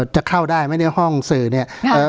จะเข้าได้ห้องสื่อเนี่ย